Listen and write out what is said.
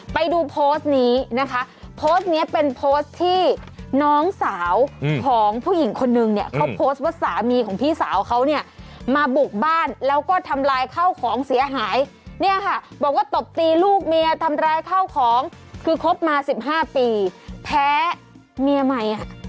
ไปดูโพสต์นี้นะคะโพสต์เนี้ยเป็นโพสต์ที่น้องสาวของผู้หญิงคนนึงเนี่ยเขาโพสต์ว่าสามีของพี่สาวเขาเนี่ยมาบุกบ้านแล้วก็ทำลายข้าวของเสียหายเนี่ยค่ะบอกว่าตบตีลูกเมียทำร้ายข้าวของคือคบมาสิบห้าปีแพ้เมียใหม่อ่ะ